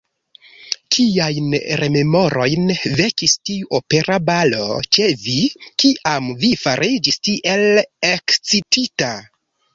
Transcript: Kiajn rememorojn vekis tiu opera balo ĉe vi, kiam vi fariĝis tiel ekscitita?